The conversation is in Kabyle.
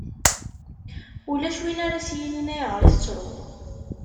Ulac win ara as-yinin: ayɣer i tettruḍ.